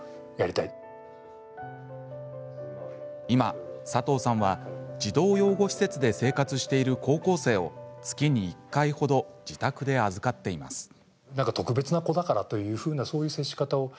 今、佐藤さんは児童養護施設で生活している高校生を月に１回ほど自宅で預かっています。